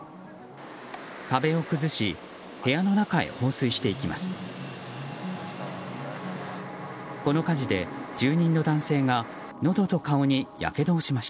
壁を崩し部屋の中へ放水していきます。